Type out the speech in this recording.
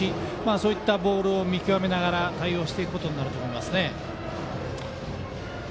そういったボールを見極めながら対応していくと思いますね。